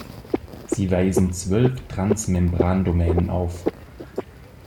Sie weisen zwölf Transmembrandomänen auf.